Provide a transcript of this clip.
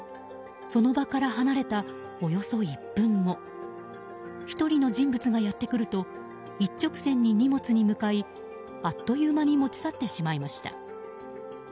その場から離れたおよそ１分後１人の人物がやってくると一直線に荷物に向かいあっという間に持ち去ってしまいました。